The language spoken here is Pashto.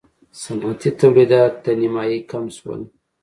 صنعتي تولیدات تر نییمایي کم شول.